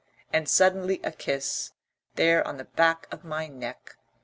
And suddenly a kiss, there on the back of my neck.